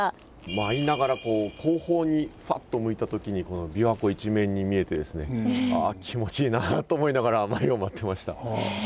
舞いながら後方にふぁっと向いた時にこの琵琶湖一面に見えてですねああ気持ちいいなと思いながら舞を舞ってました。